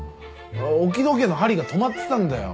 置き時計の針が止まってたんだよ。